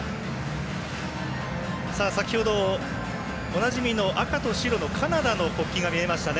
先ほどおなじみの赤と白のカナダの国旗が見えましたね。